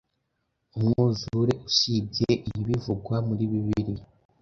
umwuzure usibye iyibivugwa muri Bibiliya